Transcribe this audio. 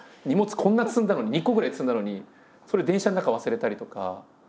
荷物こんな積んだのに２個ぐらい積んだのにそれ電車の中忘れたりとか。